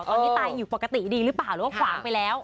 ตอนนี้ตายอยู่ปกติดีหรือเปล่าหรือว่าขวางไปแล้ว